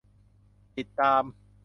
ติดตาม